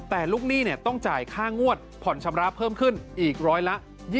แต่ลูกหนี้ต้องจ่ายค่างวดผ่อนชำระเพิ่มขึ้นอีกร้อยละ๒๐